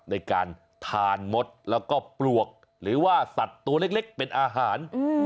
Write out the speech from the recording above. ในการทานมดแล้วก็ปลวกหรือว่าสัตว์ตัวเล็กเป็นอาหาร